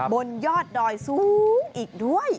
บนยอดดอยสูงอีกด้วย